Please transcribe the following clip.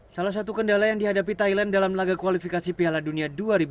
salah satu kendala yang dihadapi thailand dalam laga kualifikasi piala dunia dua ribu dua puluh